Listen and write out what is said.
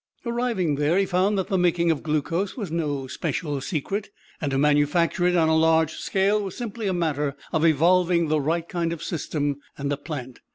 Arriving there, he found that the making of glucose was no special secret, and to manufacture it on a large scale was simply a matter of evolving the right kind of system and a plant.